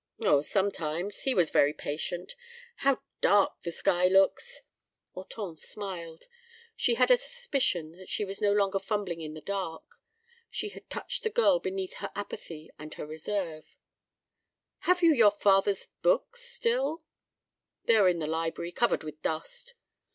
"Oh, sometimes. He was very patient. How dark the sky looks!" Hortense smiled. She had a suspicion that she was no longer fumbling in the dark. She had touched the girl beneath her apathy and her reserve. "Have you your father's books—still?" "They are in the library—covered with dust."